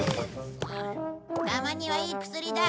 たまにはいい薬だ。